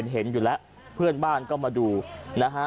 เห็นอยู่แล้วเพื่อนบ้านก็มาดูนะฮะ